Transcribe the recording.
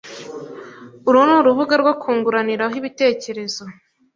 Uru ni urubuga rwo kunguraniraho ibitekerezo